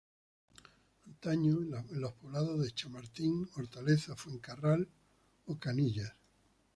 Antaño en los poblados de Chamartín, Hortaleza, Fuencarral o Canillas.